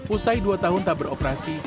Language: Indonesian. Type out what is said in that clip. usai dua tahun tak beroperasi